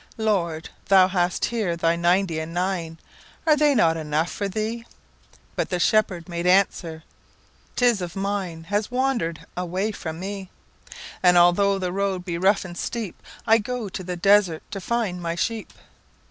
"Lord, thou hast here thy ninety and nine:Are they not enough for thee?"But the Shepherd made answer: "'T is of mineHas wander'd away from me; And although the road be rough and steepI go to the desert to find my sheep."